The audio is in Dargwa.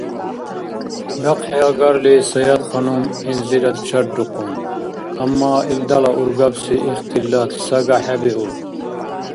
РахъхӀиагарли Саятханум гӀинзирад чаррухъун, амма илдала ургабси ихтилат сагахӀебиуб.